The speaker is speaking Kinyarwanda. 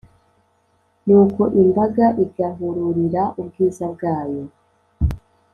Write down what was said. nuko imbaga igahururira ubwiza bwayo,